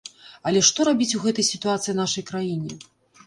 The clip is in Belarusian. Але што рабіць у гэтай сітуацыі нашай краіне?